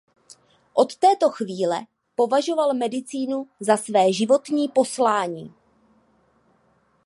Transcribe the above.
Od této chvíle považoval medicínu za své životní poslání.